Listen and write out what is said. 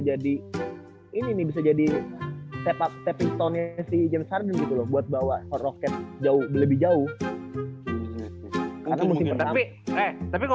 jadi ini bisa jadi tepat tapping tone si james harden buat bawa roket jauh lebih jauh tapi